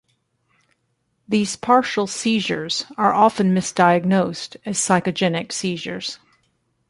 These partial seizures are often misdiagnosed as psychogenic seizures.